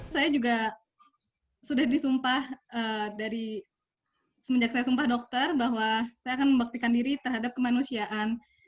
saya juga sudah disumpah dari semenjak saya sumpah dokter bahwa saya akan membuktikan diri terhadap kemanusiaan